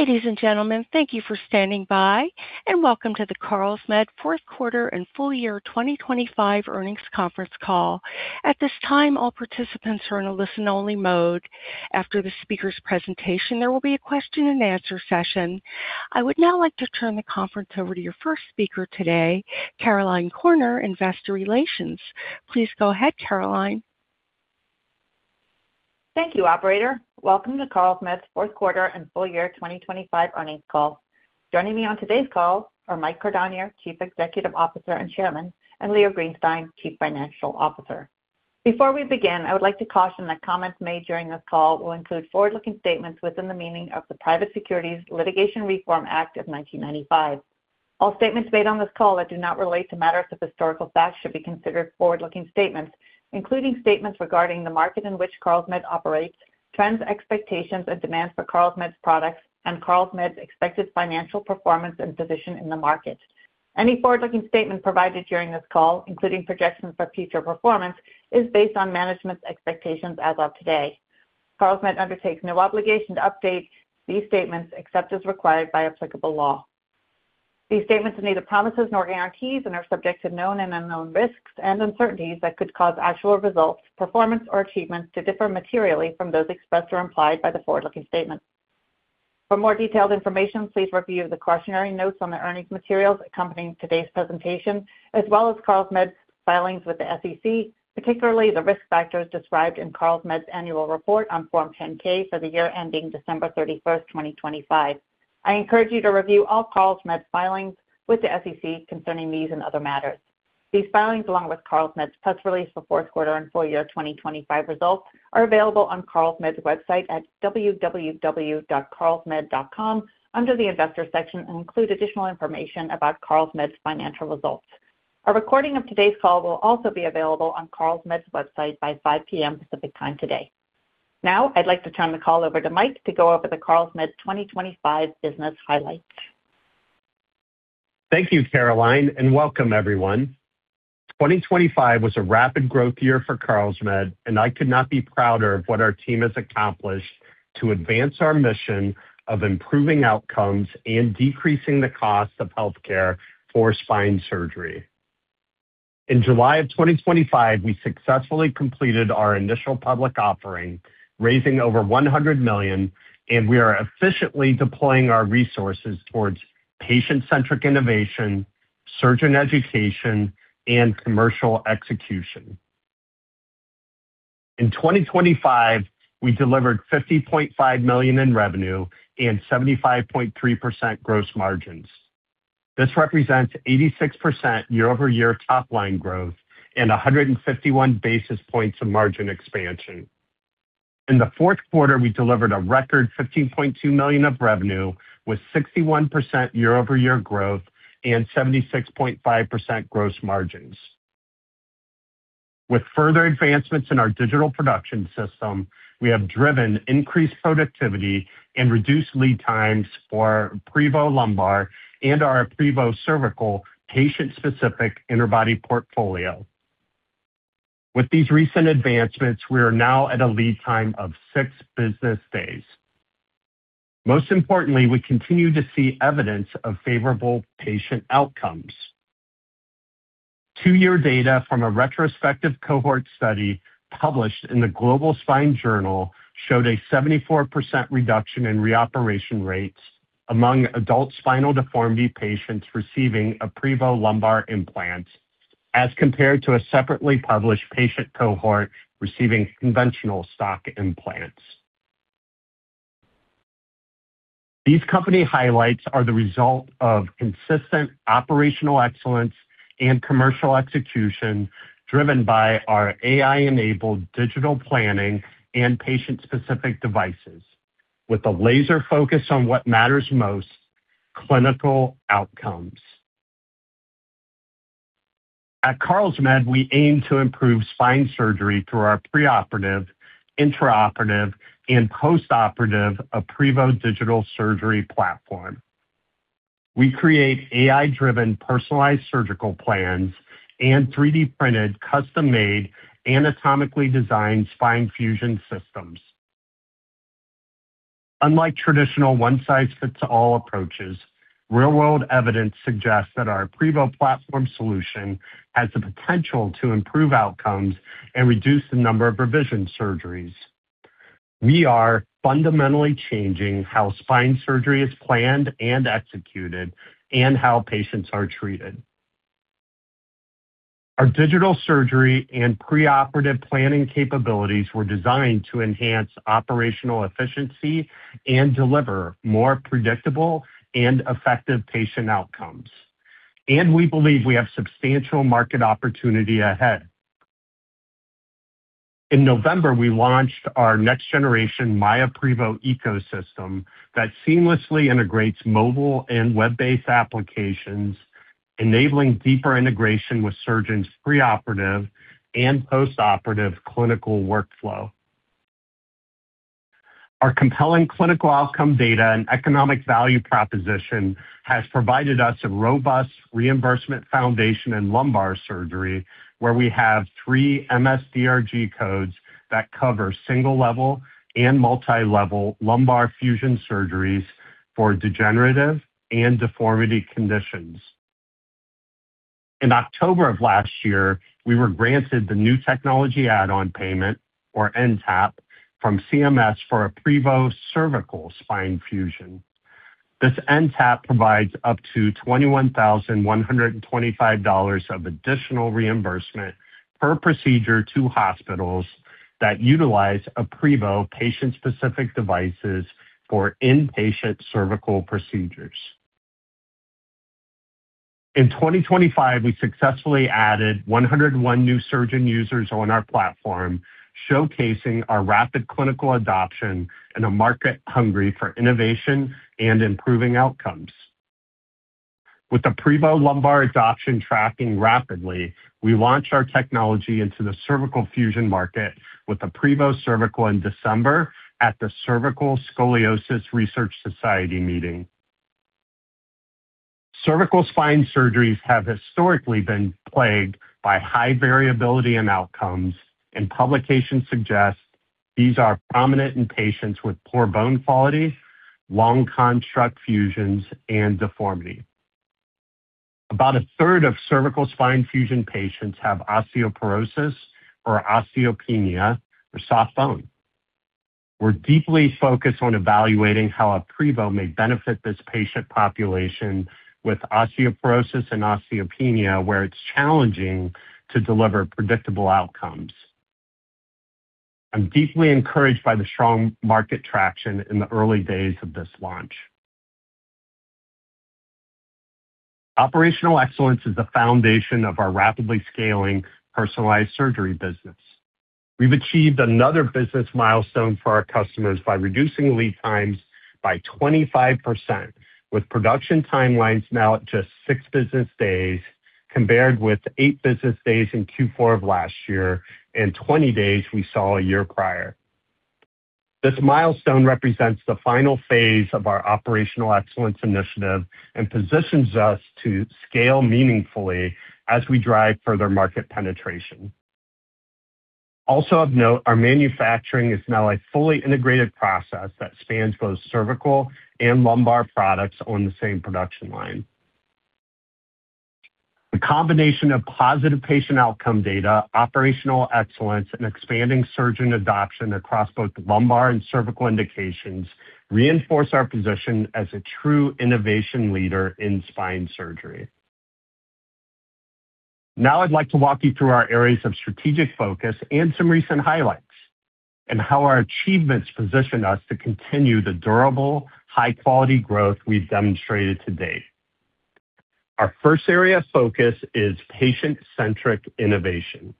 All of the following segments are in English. Ladies and gentlemen, thank you for standing by, and welcome to the Carlsmed Fourth Quarter and Full Year 2025 Earnings Conference Call. At this time, all participants are in a listen-only mode. After the speaker's presentation, there will be a question-and-answer session. I would now like to turn the conference over to your first speaker today, Caroline Corner, Investor Relations. Please go ahead, Caroline. Thank you, operator. Welcome to Carlsmed's Fourth Quarter and Full Year 2025 Earnings Call. Joining me on today's call are Mike Cordonnier, Chief Executive Officer and Chairman, and Leo Greenstein, Chief Financial Officer. Before we begin, I would like to caution that comments made during this call will include forward-looking statements within the meaning of the Private Securities Litigation Reform Act of 1995. All statements made on this call that do not relate to matters of historical fact should be considered forward-looking statements, including statements regarding the market in which Carlsmed operates, trends, expectations, and demands for Carlsmed's products, and Carlsmed's expected financial performance and position in the market. Any forward-looking statement provided during this call, including projections for future performance, is based on management's expectations as of today. Carlsmed undertakes no obligation to update these statements except as required by applicable law. These statements are neither promises nor guarantees and are subject to known and unknown risks and uncertainties that could cause actual results, performance, or achievements to differ materially from those expressed or implied by the forward-looking statements. For more detailed information, please review the cautionary notes on the earnings materials accompanying today's presentation, as well as Carlsmed's filings with the SEC, particularly the risk factors described in Carlsmed's Annual Report on Form 10-K for the year ending December 31, 2025. I encourage you to review all Carlsmed's filings with the SEC concerning these and other matters. These filings, along with Carlsmed's press release for fourth quarter and full year 2025 results, are available on Carlsmed's website at www.carlsmed.com under the investor section and include additional information about Carlsmed's financial results. A recording of today's call will also be available on Carlsmed's website by 5:00 P.M. Pacific Time today. Now, I'd like to turn the call over to Mike to go over the Carlsmed 2025 business highlights. Thank you, Caroline, and welcome everyone. 2025 was a rapid-growth year for Carlsmed, and I could not be prouder of what our team has accomplished to advance our mission of improving outcomes and decreasing the cost of healthcare for spine surgery. In July of 2025, we successfully completed our initial public offering, raising over $100 million, and we are efficiently deploying our resources towards patient-centric innovation, surgeon education, and commercial execution. In 2025, we delivered $50.5 million in revenue and 75.3% gross margins. This represents 86% year-over-year top-line growth and 151 basis points of margin expansion. In the fourth quarter, we delivered a record $15.2 million of revenue, with 61% year-over-year growth and 76.5% gross margins. With further advancements in our digital production system, we have driven increased productivity and reduced lead times for aprevo Lumbar and our aprevo Cervical patient-specific interbody portfolio. With these recent advancements, we are now at a lead time of 6 business days. Most importantly, we continue to see evidence of favorable patient outcomes. 2-year data from a retrospective cohort study published in the Global Spine Journal showed a 74% reduction in reoperation rates among adult spinal deformity patients receiving aprevo Lumbar implants, as compared to a separately published patient cohort receiving conventional stock implants. These company highlights are the result of consistent operational excellence and commercial execution, driven by our AI-enabled digital planning and patient-specific devices, with a laser focus on what matters most: clinical outcomes. At Carlsmed, we aim to improve spine surgery through our preoperative, intraoperative, and postoperative aprevo Digital Surgery Platform. We create AI-driven, personalized surgical plans and 3D-printed, custom-made, anatomically designed spine fusion systems. Unlike traditional one-size-fits-all approaches, real-world evidence suggests that our aprevo Platform solution has the potential to improve outcomes and reduce the number of revision surgeries. We are fundamentally changing how spine surgery is planned and executed and how patients are treated. Our digital surgery and preoperative planning capabilities were designed to enhance operational efficiency and deliver more predictable and effective patient outcomes, and we believe we have substantial market opportunity ahead. In November, we launched our next-generation myaprevo Ecosystem that seamlessly integrates mobile and web-based applications, enabling deeper integration with surgeons' preoperative and postoperative clinical workflow. Our compelling clinical outcome data and economic value proposition has provided us a robust reimbursement foundation in lumbar surgery, where we have three MS-DRG codes that cover single-level and multi-level lumbar fusion surgeries for degenerative and deformity conditions. In October of last year, we were granted the new technology add-on payment, or NTAP, from CMS for aprevo cervical spine fusion. This NTAP provides up to $21,125 of additional reimbursement per procedure to hospitals that utilize aprevo patient-specific devices for inpatient cervical procedures. In 2025, we successfully added 101 new surgeon users on our platform, showcasing our rapid clinical adoption in a market hungry for innovation and improving outcomes. With the aprevo Lumbar adoption tracking rapidly, we launched our technology into the cervical fusion market with the aprevo Cervical in December at the Cervical Spine Research Society meeting. Cervical spine surgeries have historically been plagued by high variability in outcomes, publications suggest these are prominent in patients with poor bone quality, long construct fusions, and deformity. About a third of cervical spine fusion patients have osteoporosis or osteopenia, or soft bone. We're deeply focused on evaluating how aprevo may benefit this patient population with osteoporosis and osteopenia, where it's challenging to deliver predictable outcomes. I'm deeply encouraged by the strong market traction in the early days of this launch. Operational excellence is the foundation of our rapidly scaling personalized surgery business. We've achieved another business milestone for our customers by reducing lead times by 25%, with production timelines now at just 6 business days, compared with 8 business days in Q4 of last year and 20 days we saw a year prior. This milestone represents the final phase of our operational excellence initiative and positions us to scale meaningfully as we drive further market penetration. Of note, our manufacturing is now a fully integrated process that spans both cervical and lumbar products on the same production line. The combination of positive patient outcome data, operational excellence, and expanding surgeon adoption across both lumbar and cervical indications reinforce our position as a true innovation leader in spine surgery. I'd like to walk you through our areas of strategic focus and some recent highlights, and how our achievements position us to continue the durable, high-quality growth we've demonstrated to date. Our first area of focus is patient-centric innovation.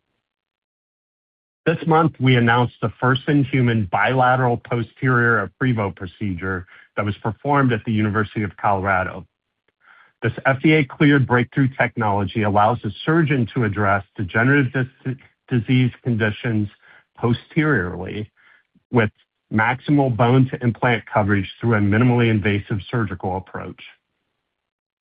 This month, we announced the first in human bilateral posterior aprevo procedure that was performed at the University of Colorado. This FDA-cleared breakthrough technology allows the surgeon to address degenerative disease conditions posteriorly with maximal bone to implant coverage through a minimally invasive surgical approach.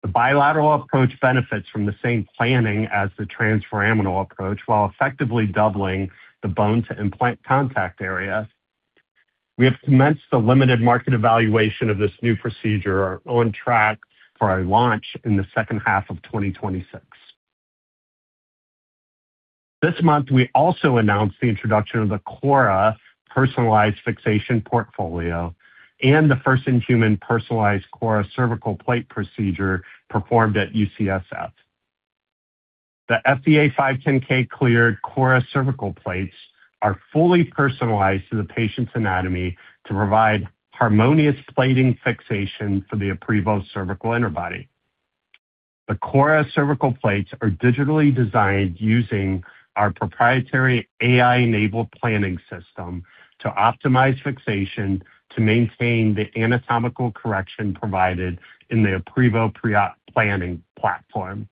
The bilateral approach benefits from the same planning as the transforaminal approach, while effectively doubling the bone to implant contact area. We have commenced the limited market evaluation of this new procedure, are on track for a launch in the second half of 2026. This month, we also announced the introduction of the Cora personalized fixation portfolio and the first-in-human personalized Cora cervical plate procedure performed at UCSF. The FDA 510(k)-cleared Cora cervical plates are fully personalized to the patient's anatomy to provide harmonious plating fixation for the aprevo cervical interbody. The Cora cervical plates are digitally designed using our proprietary AI-enabled planning system to optimize fixation to maintain the anatomical correction provided in the aprevo preop planning platform.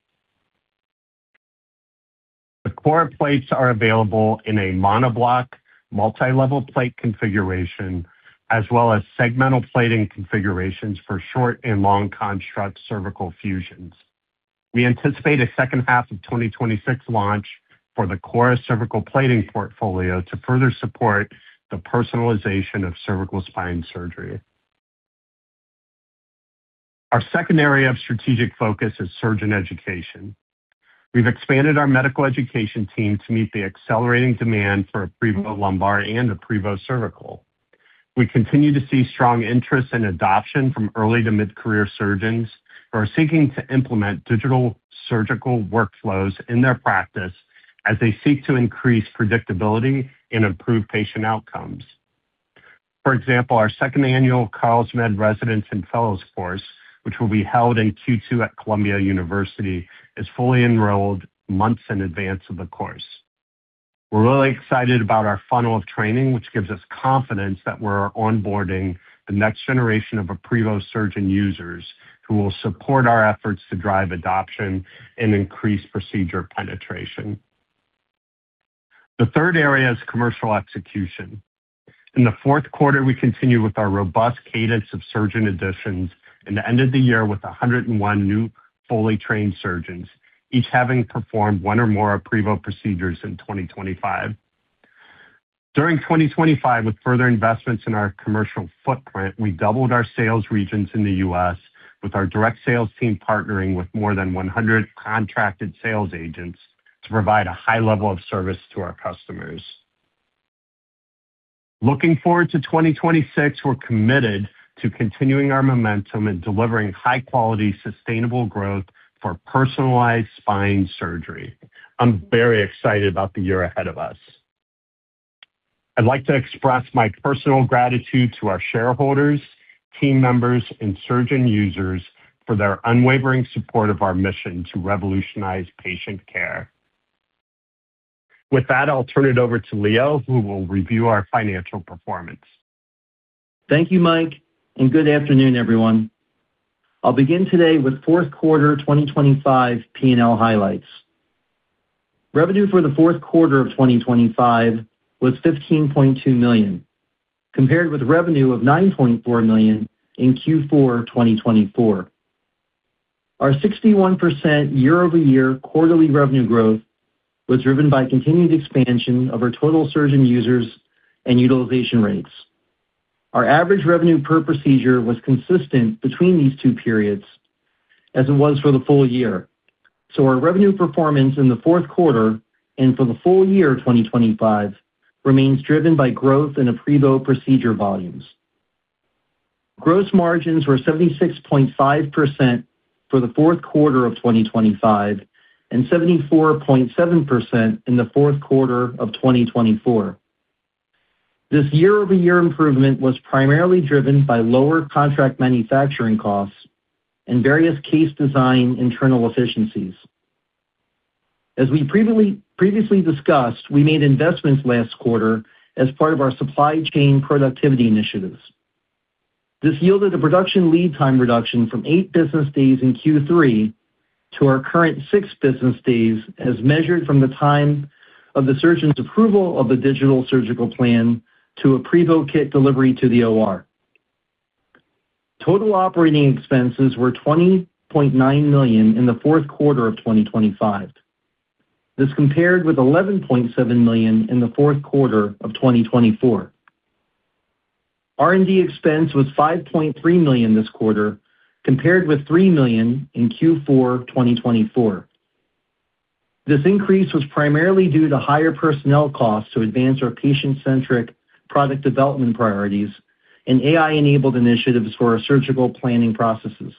The Cora plates are available in a monoblock multi-level plate configuration, as well as segmental plating configurations for short and long construct cervical fusions. We anticipate a 2nd half of 2026 launch for the Cora cervical plating portfolio to further support the personalization of cervical spine surgery. Our 2nd area of strategic focus is surgeon education. We've expanded our medical education team to meet the accelerating demand for aprevo lumbar and the aprevo cervical. We continue to see strong interest and adoption from early to mid-career surgeons who are seeking to implement digital surgical workflows in their practice as they seek to increase predictability and improve patient outcomes. For example, our 2nd Annual Carlsmed Residents and Fellows course, which will be held in Q2 at Columbia University, is fully enrolled months in advance of the course. We're really excited about our funnel of training, which gives us confidence that we're onboarding the next generation of aprevo surgeon users, who will support our efforts to drive adoption and increase procedure penetration. The third area is commercial execution. In the fourth quarter, we continued with our robust cadence of surgeon additions and ended the year with 101 new fully trained surgeons, each having performed one or more aprevo procedures in 2025. During 2025, with further investments in our commercial footprint, we doubled our sales regions in the U.S., with our direct sales team partnering with more than 100 contracted sales agents to provide a high level of service to our customers. Looking forward to 2026, we're committed to continuing our momentum and delivering high-quality, sustainable growth for personalized spine surgery. I'm very excited about the year ahead of us. I'd like to express my personal gratitude to our shareholders, team members, and surgeon users for their unwavering support of our mission to revolutionize patient care. With that, I'll turn it over to Leo, who will review our financial performance. Thank you, Mike. Good afternoon, everyone. I'll begin today with fourth quarter 2025 P&L highlights. Revenue for the fourth quarter of 2025 was $15.2 million, compared with revenue of $9.4 million in Q4 2024. Our 61% year-over-year quarterly revenue growth was driven by continued expansion of our total surgeon users and utilization rates. Our average revenue per procedure was consistent between these two periods as it was for the full year. Our revenue performance in the fourth quarter and for the full year of 2025 remains driven by growth in aprevo procedure volumes. Gross margins were 76.5% for the fourth quarter of 2025 and 74.7% in the fourth quarter of 2024. This year-over-year improvement was primarily driven by lower contract manufacturing costs and various case design internal efficiencies. As we previously discussed, we made investments last quarter as part of our supply chain productivity initiatives. This yielded a production lead time reduction from 8 business days in Q3 to our current 6 business days, as measured from the time of the surgeon's approval of the digital surgical plan to aprevo kit delivery to the OR. Total operating expenses were $20.9 million in the fourth quarter of 2025. This compared with $11.7 million in the fourth quarter of 2024. R&D expense was $5.3 million this quarter, compared with $3 million in Q4 2024. This increase was primarily due to higher personnel costs to advance our patient-centric product development priorities and AI-enabled initiatives for our surgical planning processes.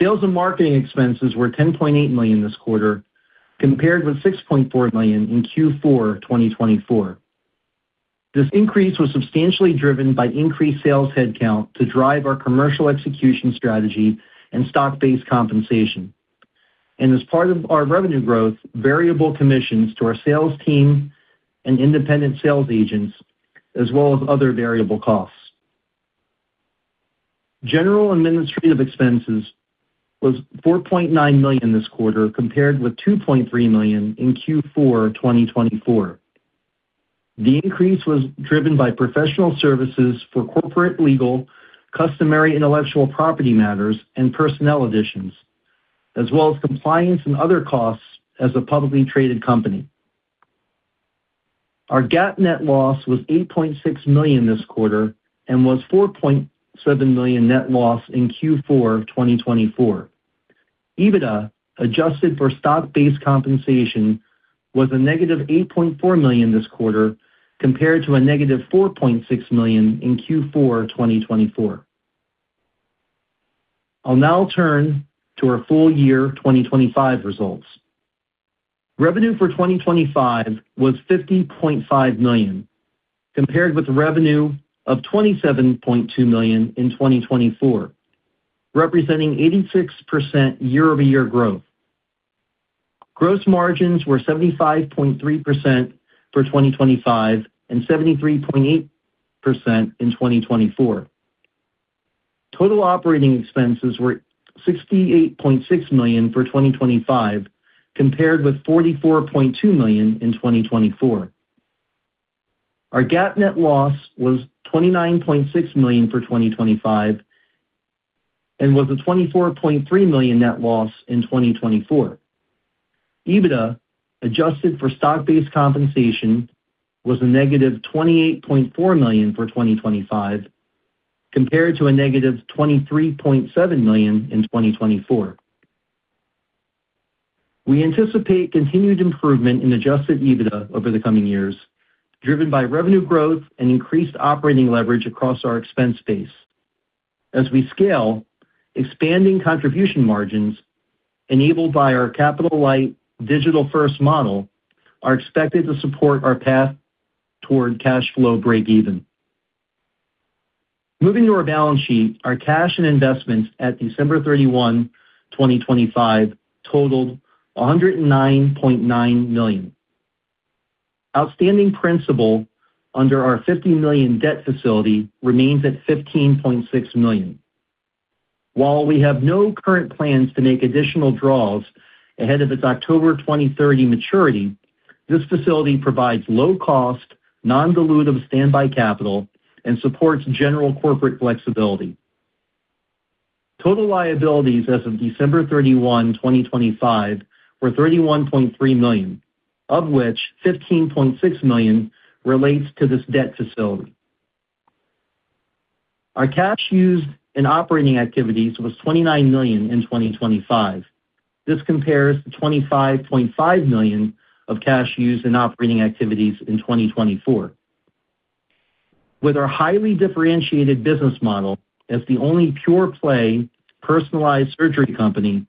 Sales and marketing expenses were $10.8 million this quarter, compared with $6.4 million in Q4 2024. This increase was substantially driven by increased sales headcount to drive our commercial execution strategy and stock-based compensation, and as part of our revenue growth, variable commissions to our sales team and independent sales agents, as well as other variable costs. General administrative expenses was $4.9 million this quarter, compared with $2.3 million in Q4 2024. The increase was driven by professional services for corporate legal, customary intellectual property matters, and personnel additions, as well as compliance and other costs as a publicly traded company. Our GAAP net loss was $8.6 million this quarter and was $4.7 million net loss in Q4 of 2024. EBITDA, adjusted for stock-based compensation, was a negative $8.4 million this quarter, compared to a negative $4.6 million in Q4 2024. I'll now turn to our full year 2025 results. Revenue for 2025 was $50.5 million, compared with revenue of $27.2 million in 2024, representing 86% year-over-year growth. Gross margins were 75.3% for 2025 and 73.8% in 2024. Total operating expenses were $68.6 million for 2025, compared with $44.2 million in 2024. Our GAAP net loss was $29.6 million for 2025 and was a $24.3 million net loss in 2024. EBITDA, adjusted for stock-based compensation, was a negative $28.4 million for 2025, compared to a negative $23.7 million in 2024. We anticipate continued improvement in adjusted EBITDA over the coming years, driven by revenue growth and increased operating leverage across our expense base. As we scale, expanding contribution margins enabled by our capital-light, digital-first model, are expected to support our path toward cash flow breakeven. Moving to our balance sheet. Our cash and investments at December 31, 2025 totaled $109.9 million. Outstanding principal under our $50 million debt facility remains at $15.6 million. While we have no current plans to make additional draws ahead of its October 2030 maturity, this facility provides low-cost, non-dilutive standby capital and supports general corporate flexibility. Total liabilities as of December 31, 2025, were $31.3 million, of which $15.6 million relates to this debt facility. Our cash used in operating activities was $29 million in 2025. This compares to $25.5 million of cash used in operating activities in 2024. With our highly differentiated business model as the only pure play personalized surgery company,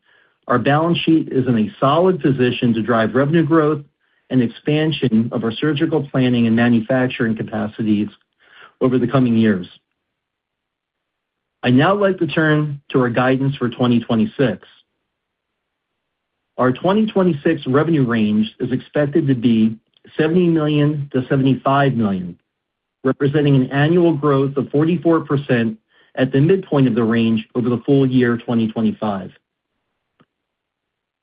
our balance sheet is in a solid position to drive revenue growth and expansion of our surgical planning and manufacturing capacities over the coming years. I'd now like to turn to our guidance for 2026. Our 2026 revenue range is expected to be $70 million-$75 million, representing an annual growth of 44% at the midpoint of the range over the full year 2025.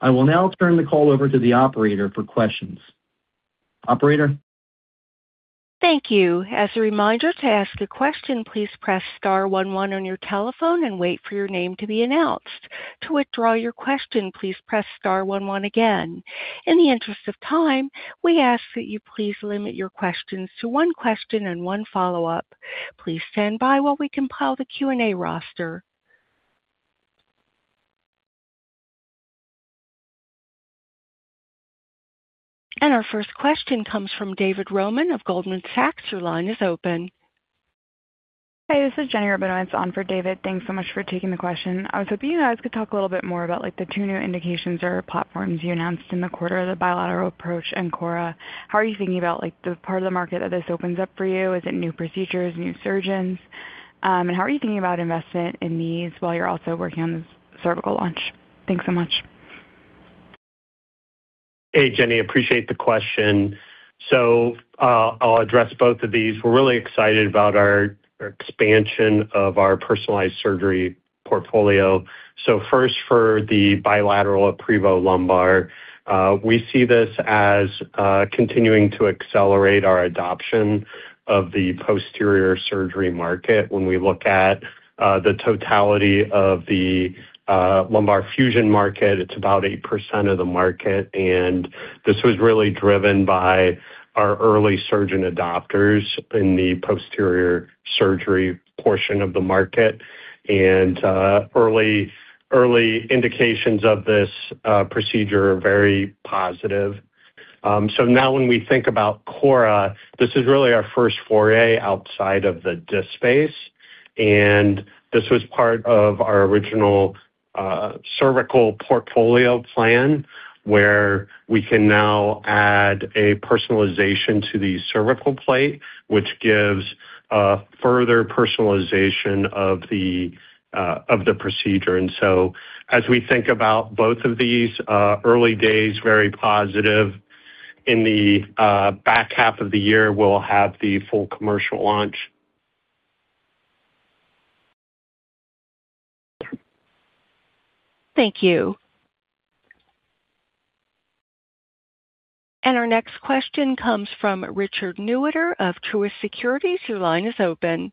I will now turn the call over to the operator for questions. Operator? Thank you. As a reminder, to ask a question, please press star 11 on your telephone and wait for your name to be announced. To withdraw your question, please press star 11 again. In the interest of time, we ask that you please limit your questions to one question and one follow-up. Please stand by while we compile the Q&A roster. Our first question comes from David Roman of Goldman Sachs. Your line is open. Hey, this is Jenny Rabinowitz on for David. Thanks so much for taking the question. I was hoping you guys could talk a little bit more about, like, the 2 new indications or platforms you announced in the quarter, the bilateral approach and Cora. How are you thinking about, like, the part of the market that this opens up for you? Is it new procedures, new surgeons? How are you thinking about investment in these while you're also working on this cervical launch? Thanks so much. Hey, Jenny, appreciate the question. I'll address both of these. We're really excited about our expansion of our personalized surgery portfolio. First, for the bilateral aprevo lumbar, we see this as continuing to accelerate our adoption of the posterior surgery market. When we look at the totality of the lumbar fusion market, it's about 8% of the market, and this was really driven by our early surgeon adopters in the posterior surgery portion of the market. Early indications of this procedure are very positive. Now when we think about Cora, this is really our first foray outside of the disc space, and this was part of our original cervical portfolio plan, where we can now add a personalization to the cervical plate, which gives a further personalization of the procedure. As we think about both of these, early days, very positive. In the back half of the year, we'll have the full commercial launch. Thank you. Our next question comes from Richard Newitter of Truist Securities. Your line is open.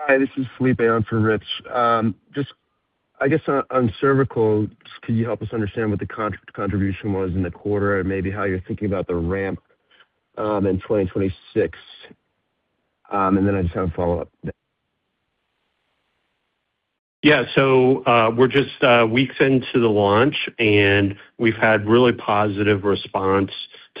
Hi, this is Felipe, on for Rich. Just I guess on cervical, could you help us understand what the contribution was in the quarter and maybe how you're thinking about the ramp, in 2026? Then I just have a follow-up. Yeah. We're just weeks into the launch, and we've had really positive response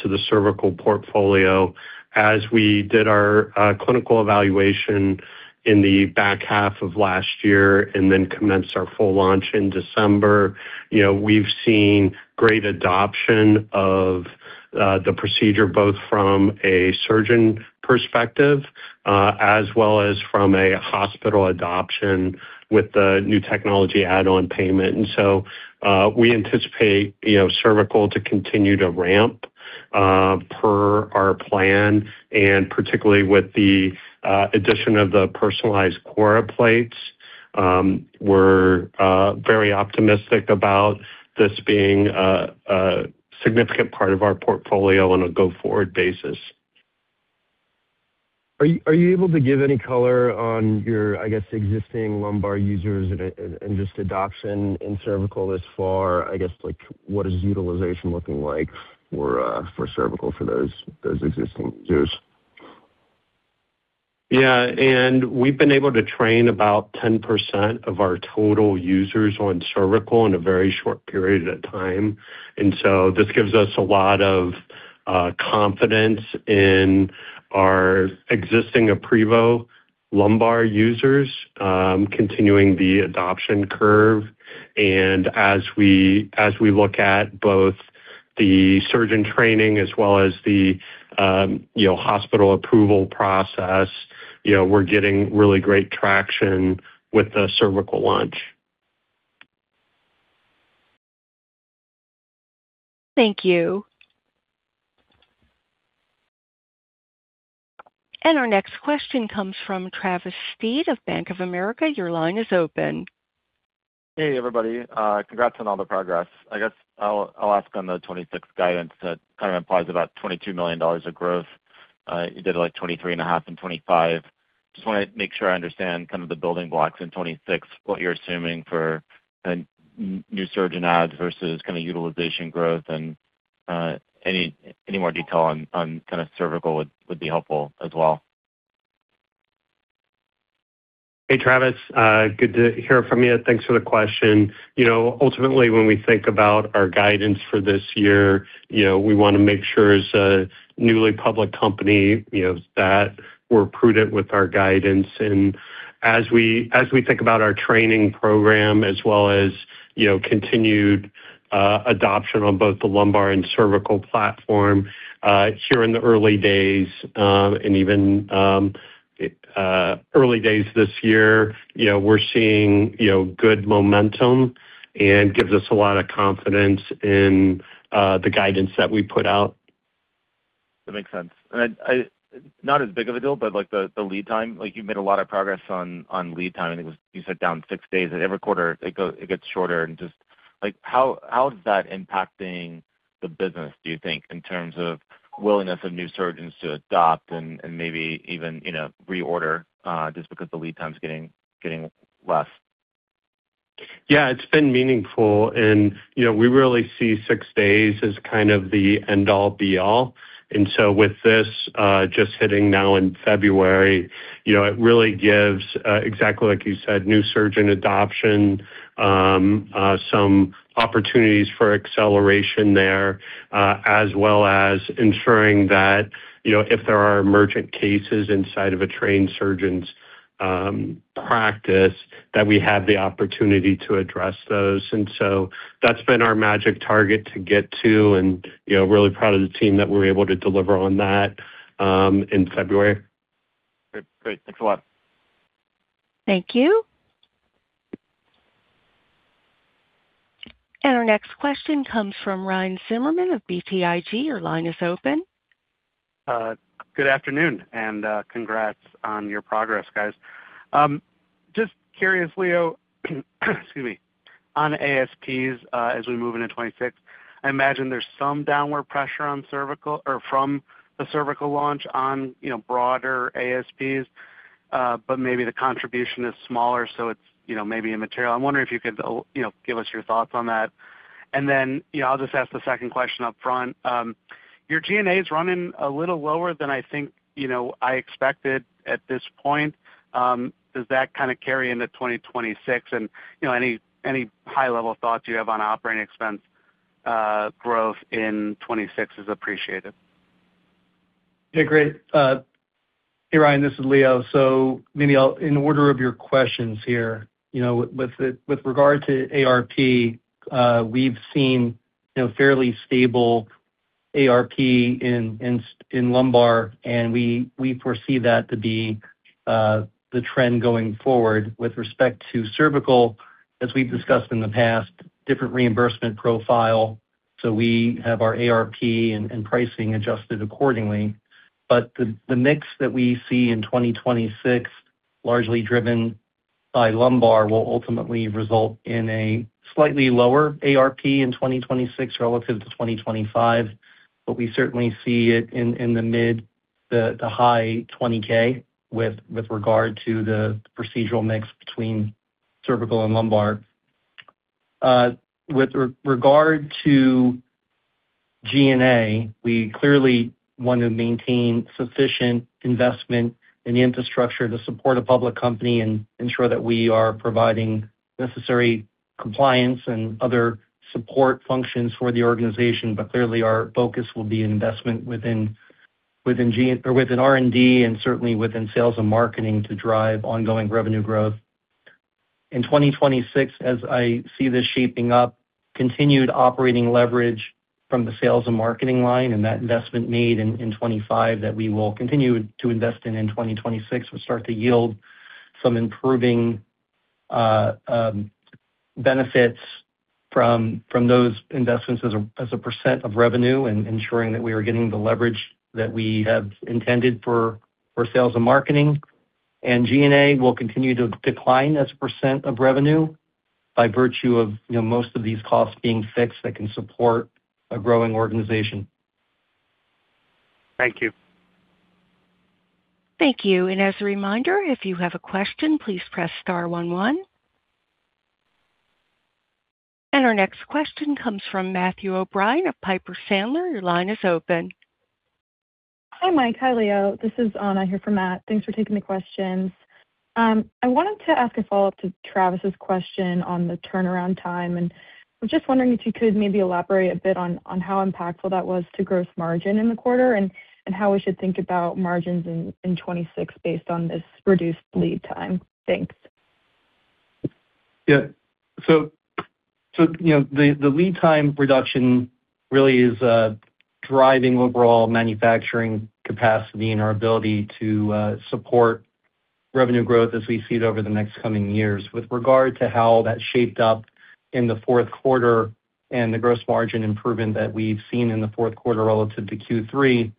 to the cervical portfolio. As we did our clinical evaluation in the back half of last year and then commenced our full launch in December, you know, we've seen great adoption of the procedure, both from a surgeon perspective, as well as from a hospital adoption with the New Technology Add-on Payment. We anticipate, you know, cervical to continue to ramp per our plan, and particularly with the addition of the personalized Cora plates. We're very optimistic about this being a significant part of our portfolio on a go-forward basis. Are you able to give any color on your, I guess, existing lumbar users and just adoption in cervical thus far? I guess, like, what is utilization looking like for cervical for those existing users? We've been able to train about 10% of our total users on cervical in a very short period of time, this gives us a lot of confidence in our existing aprevo lumbar users, continuing the adoption curve. As we look at both the surgeon training as well as the, you know, hospital approval process, you know, we're getting really great traction with the cervical launch. Thank you. Our next question comes from Travis Steed of Bank of America. Your line is open. Hey, everybody. Congrats on all the progress. I guess I'll ask on the 26 guidance. That kind of implies about $22 million of growth. You did, like, $23.5 million and $25 million. Just want to make sure I understand kind of the building blocks in 26, what you're assuming for an new surgeon adds versus kind of utilization growth and any more detail on kind of cervical would be helpful as well. Hey, Travis. Good to hear from you. Thanks for the question. You know, ultimately, when we think about our guidance for this year, you know, we want to make sure as a newly public company, you know, that we're prudent with our guidance. As we think about our training program as well as, you know, continued adoption on both the lumbar and cervical platform, here in the early days, and even early days this year, you know, we're seeing, you know, good momentum and gives us a lot of confidence in the guidance that we put out. That makes sense. Not as big of a deal, but, like, the lead time, like, you've made a lot of progress on lead time, you said down six days, and every quarter it gets shorter. Just, like, how is that impacting the business, do you think, in terms of willingness of new surgeons to adopt and maybe even, you know, reorder, just because the lead time is getting less? Yeah, it's been meaningful. You know, we really see 6 days as kind of the end all be all. With this, just hitting now in February, you know, it really gives exactly like you said, new surgeon adoption, some opportunities for acceleration there, as well as ensuring that, you know, if there are emergent cases inside of a trained surgeon's practice, that we have the opportunity to address those. That's been our magic target to get to and, you know, really proud of the team that we're able to deliver on that, in February. Great. Thanks a lot. Thank you. Our next question comes from Ryan Zimmerman of BTIG. Your line is open. Good afternoon, congrats on your progress, guys. Just curious, Leo, excuse me, on ASPs, as we move into 2026, I imagine there's some downward pressure on cervical or from the cervical launch on, you know, broader ASPs, maybe the contribution is smaller, so it's, you know, maybe immaterial. I'm wondering if you could, you know, give us your thoughts on that. You know, I'll just ask the second question upfront. Your G&A is running a little lower than I think, you know, I expected at this point. Does that kind of carry into 2026? You know, any high-level thoughts you have on operating expense growth in 2026 is appreciated. Yeah, great. Hey, Ryan, this is Leo. Maybe in order of your questions here, you know, with regard to ARP, we've seen, you know, fairly stable ARP in lumbar, and we foresee that to be the trend going forward. With respect to cervical, as we've discussed in the past, different reimbursement profile, we have our ARP and pricing adjusted accordingly. The mix that we see in 2026, largely driven by lumbar, will ultimately result in a slightly lower ARP in 2026 relative to 2025, but we certainly see it in the mid, the high $20K with regard to the procedural mix between cervical and lumbar. With regard to G&A, we clearly want to maintain sufficient investment in the infrastructure to support a public company and ensure that we are providing necessary compliance and other support functions for the organization. Clearly, our focus will be investment within R&D and certainly within sales and marketing to drive ongoing revenue growth. In 2026, as I see this shaping up, continued operating leverage from the sales and marketing line and that investment made in 2025 that we will continue to invest in 2026, will start to yield some improving benefits from those investments as a % of revenue, and ensuring that we are getting the leverage that we have intended for sales and marketing. G&A will continue to decline as a % of revenue by virtue of, you know, most of these costs being fixed that can support a growing organization. Thank you. Thank you. As a reminder, if you have a question, please press star one one. Our next question comes from Matthew O'Brien of Piper Sandler. Your line is open. Hi, Mike. Hi, Leo. This is Anna here from Matt. Thanks for taking the questions. I wanted to ask a follow-up to Travis's question on the turnaround time, and I was just wondering if you could maybe elaborate a bit on how impactful that was to gross margin in the quarter and how we should think about margins in 2026 based on this reduced lead time. Thanks. So, you know, the lead time reduction really is driving overall manufacturing capacity and our ability to support revenue growth as we see it over the next coming years. With regard to how that shaped up in the fourth quarter and the gross margin improvement that we've seen in the fourth quarter relative to Q3.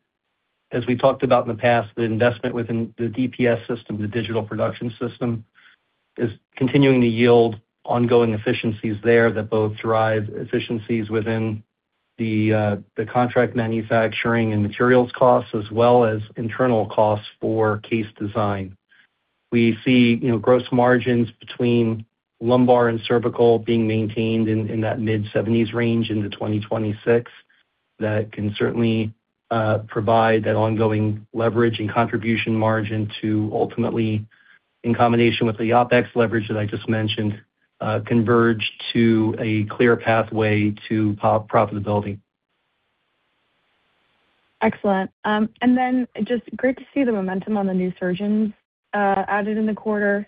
As we talked about in the past, the investment within the DPS system, the digital production system, is continuing to yield ongoing efficiencies there that both drive efficiencies within the contract manufacturing and materials costs, as well as internal costs for case design. We see, you know, gross margins between lumbar and cervical being maintained in that mid-70s range into 2026. That can certainly provide that ongoing leverage and contribution margin to ultimately, in combination with the OPEX leverage that I just mentioned, converge to a clear pathway to pro-profitability. Excellent. Just great to see the momentum on the new surgeons added in the quarter.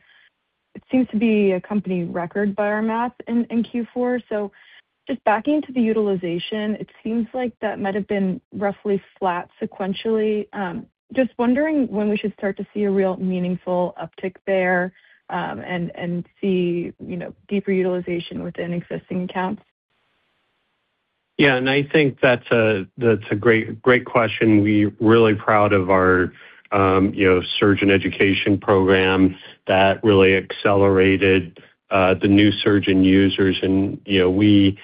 It seems to be a company record by our math in Q4. Just backing to the utilization, it seems like that might have been roughly flat sequentially. Just wondering when we should start to see a real meaningful uptick there, and see, you know, deeper utilization within existing accounts. Yeah, and I think that's a, that's a great question. We're really proud of our, you know, surgeon education program that really accelerated the new surgeon users. You know, we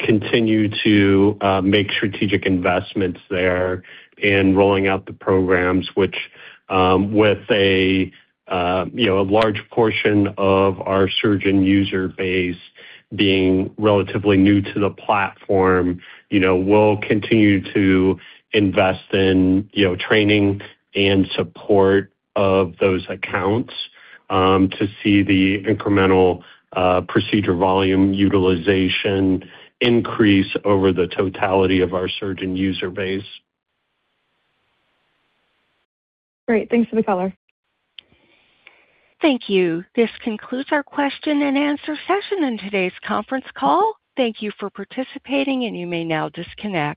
continue to make strategic investments there in rolling out the programs, which, with a, you know, a large portion of our surgeon user base being relatively new to the platform, you know, we'll continue to invest in, you know, training and support of those accounts, to see the incremental procedure volume utilization increase over the totality of our surgeon user base. Great. Thanks for the color. Thank you. This concludes our question and answer session in today's conference call. Thank you for participating, and you may now disconnect.